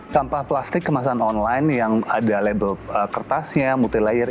sampah plastik kemasan online yang ada label kertasnya multi layer